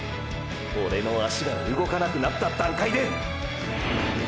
オレの足が動かなくなった段階で！！